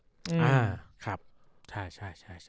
อ่าครับใช่ใช่ใช่